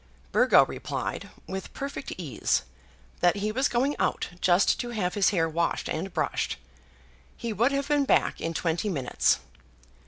Burgo replied, with perfect ease, that he was going out just to have his hair washed and brushed. He would have been back in twenty minutes.